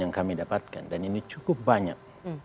yang kami dapatkan dan ini cukup banyak